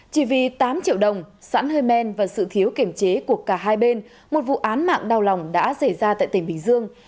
chỉ vì tám triệu đồng sẵn hơi men và sự thiếu kiểm chế của cả hai bên một vụ án mạng đau lòng đã xảy ra tại tỉnh bình dương